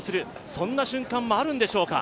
そんな瞬間もあるんでしょうか。